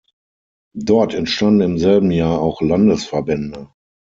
Dort entstanden im selben Jahr auch Landesverbände.